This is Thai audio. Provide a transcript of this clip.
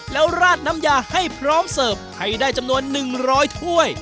แล้วราดน้ำยาให้พร้อมเสิร์ฟให้ได้จำนวน๑๐๐ถ้วย